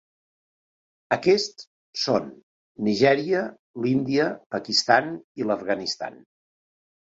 Aquests són Nigèria, l'Índia, Pakistan i l'Afganistan.